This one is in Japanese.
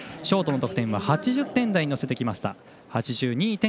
ショートの得点８０点台に乗せてきました。